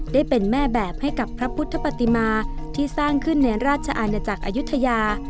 ได้เป็นแม่แบบให้กับพระพุทธปฏิมาที่สร้างขึ้นในราชอาณาจักรอายุทยา